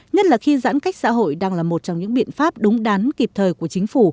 nhất là khi giãn cách xã hội đang là một trong những biện pháp đúng đắn kịp thời của chính phủ